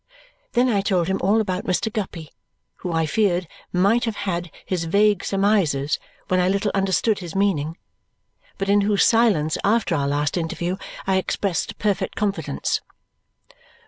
Then I told him all about Mr. Guppy, who I feared might have had his vague surmises when I little understood his meaning, but in whose silence after our last interview I expressed perfect confidence.